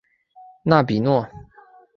纳比诺。